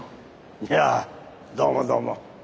いやどうもどうも。